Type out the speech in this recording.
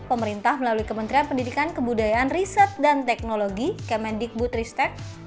pemerintah melalui kementerian pendidikan kebudayaan riset dan teknologi kemendikbud ristek